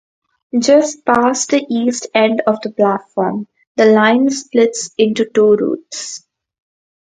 Just past the east end of the platform, the line splits into two routes.